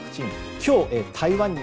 今日、台湾に